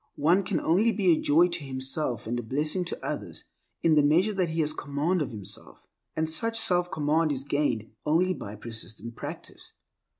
One can only be a joy to himself and a blessing to others in the measure that he has command of himself; and such self command is gained only by persistent practice.